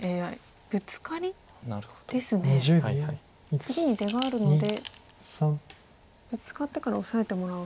次に出があるのでブツカってからオサえてもらおう。